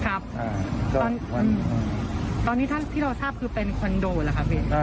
ครับตอนนี้ที่เราทราบคือเป็นคอนโดหรือคะเวียน